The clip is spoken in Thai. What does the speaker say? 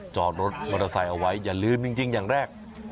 จอดรถมอเตอร์ไซค์เอาไว้อย่าลืมจริงอย่างแรก